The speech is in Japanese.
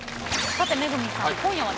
さて恵さん今夜はですね